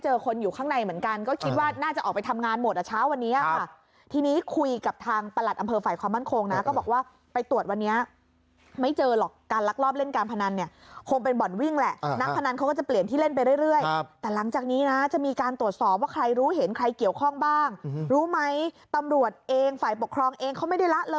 คนอยู่ข้างในเหมือนกันก็คิดว่าน่าจะออกไปทำงานหมดอ่ะเช้าวันนี้ค่ะทีนี้คุยกับทางประหลัดอำเภอฝ่ายความมั่นคงนะก็บอกว่าไปตรวจวันนี้ไม่เจอหรอกการลักลอบเล่นการพนันเนี่ยคงเป็นบ่อนวิ่งแหละนักพนันเขาก็จะเปลี่ยนที่เล่นไปเรื่อยแต่หลังจากนี้นะจะมีการตรวจสอบว่าใครรู้เห็นใครเกี่ยวข้องบ้างรู้ไหมตำรวจเองฝ่ายปกครองเองเขาไม่ได้ละเลย